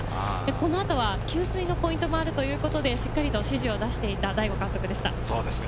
このあとは給水のポイントもあるということで、しっかりと指示を出していた、大後監督でした。